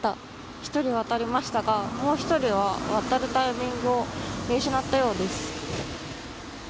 １人、渡りましたがもう１人は渡るタイミングを見失ったようです。